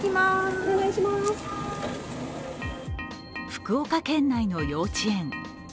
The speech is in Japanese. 福岡県内の幼稚園。